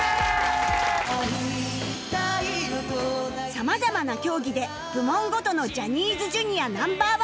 様々な競技で部門ごとのジャニーズ Ｊｒ．Ｎｏ．１ を決める